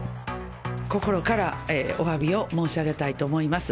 心からおわびを申し上げたいと思います。